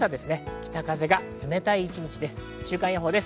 北風が冷たい一日です。